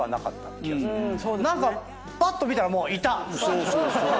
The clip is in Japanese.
そうそうそう。